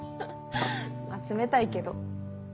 まぁ冷たいけど。